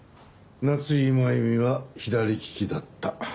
夏井真弓は左利きだった。